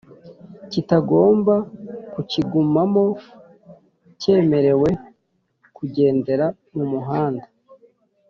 kitagomba kukigumamo cyemerewe kugendera mu muhanda